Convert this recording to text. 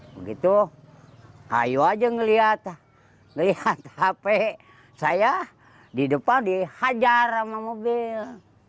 begitu kayu saja melihat hp saya di depan dihajar sama mobil